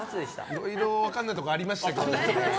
いろいろ分からないところありましたけど。